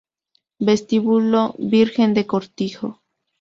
Vestíbulo Virgen del Cortijo